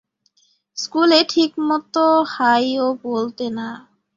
স্কুলে ঠিক মতে হাই ও বলতে না।